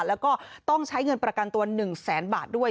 แล้วก็ต้องใช้เงินประกันตัว๑แสนบาทด้วย